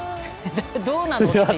どうなの？っていう。